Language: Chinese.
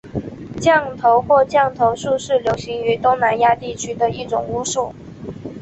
降头或降头术是流行于东南亚地区的一种巫术。